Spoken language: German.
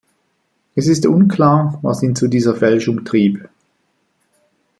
Es ist unklar, was ihn zu dieser Fälschung trieb.